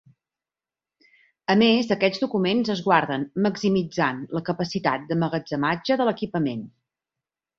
A més aquests documents es guarden maximitzant la capacitat d'emmagatzematge de l'equipament.